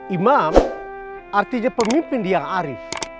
imam artinya pemimpin dia yang arif